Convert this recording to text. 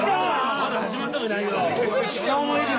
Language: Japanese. まだ始まってもいないよ。